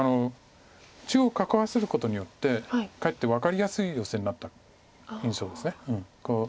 中央を囲わせることによってかえって分かりやすいヨセになった印象です。